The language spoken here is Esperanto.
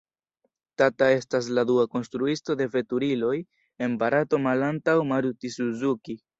Tata estas la dua konstruisto de veturiloj en Barato malantaŭ Maruti-Suzuki.